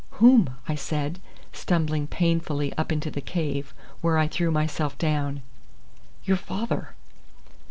"Whom?" I said, stumbling painfully up into the cave, where I threw myself down. "Your father."